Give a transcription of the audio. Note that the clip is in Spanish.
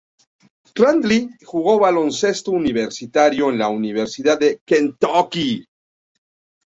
Randle jugó baloncesto universitario para la Universidad de Kentucky.